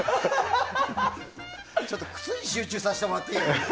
ちょっと靴に集中させてもらっていい？